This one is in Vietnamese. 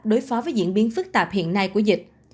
đối phó với diễn biến phức tạp hiện nay của dịch